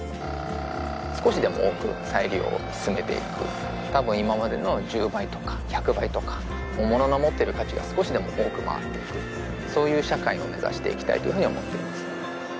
少しでも多く再利用を進めていく多分今までの１０倍とか１００倍とか物の持ってる価値が少しでも多く回っていくそういう社会を目指していきたいというふうに思っています